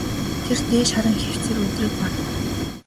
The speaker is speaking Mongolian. Тэр дээш харан хэвтсээр өдрийг барав.